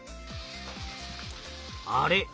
あれ？